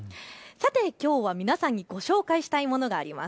きょうは皆さんに、ご紹介したいものがあります。